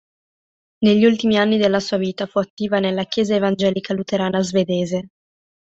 Negli ultimi anni della sua vita fu attiva nella Chiesa Evangelica Luterana Svedese.